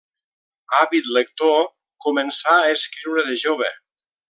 Àvid lector, començà a escriure de jove.